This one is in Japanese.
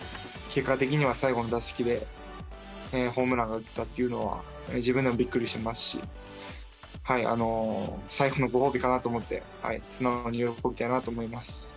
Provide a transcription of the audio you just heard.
結果的には最後の打席でホームランを打ったっていうのは、自分でもびっくりしてますし、最後のご褒美かなと思って、素直に喜びたいなと思います。